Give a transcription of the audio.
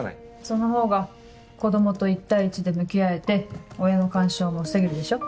そのほうが子供と１対１で向き合えて親の干渉も防げるでしょ。